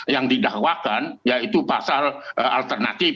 yang didakwakan yaitu pasal alternatif